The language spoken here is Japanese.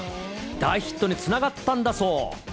大ヒットにつながったんだそう。